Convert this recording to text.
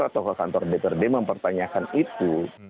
atau ke kantor dprd mempertanyakan itu